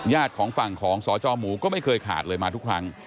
ของฝั่งของสจหมูก็ไม่เคยขาดเลยมาทุกครั้ง